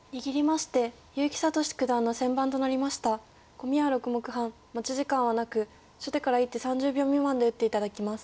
コミは６目半持ち時間はなく初手から１手３０秒未満で打って頂きます。